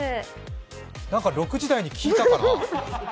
なんか６時台に聞いたかな。